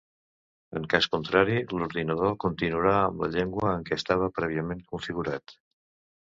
En cas contrari, l’ordinador continuarà amb la llengua en què estava prèviament configurat.